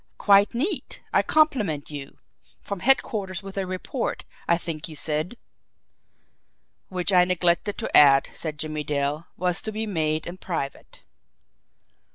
"Quite neat! I compliment you! From headquarters with a report, I think you said?" "Which I neglected to add," said Jimmie Dale, "was to be made in private."